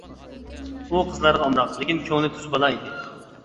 ئۇ قىزلارغا ئامراق، لېكىن كۆڭلى تۈز بالا ئىدى.